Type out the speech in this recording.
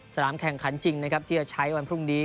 สนามแข่งขันจริงนะครับที่จะใช้วันพรุ่งนี้